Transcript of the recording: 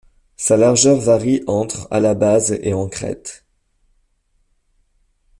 Sa largeur varie entre à la base et en crête.